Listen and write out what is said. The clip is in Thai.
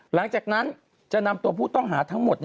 หลังจากนั้นจะนำตัวผู้ต้องหาทั้งหมด